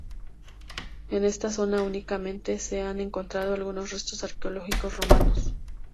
En esta zona únicamente se han encontrado algunos restos arqueológicos romanos.